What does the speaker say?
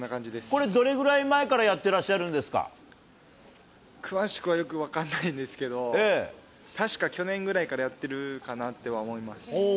これ、どれぐらい前からやっ詳しくはよく分からないんですけれども、確か去年ぐらいからやってるかなとは思います。